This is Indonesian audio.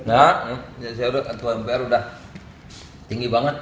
nah jadi saya udah ketua mpr udah tinggi banget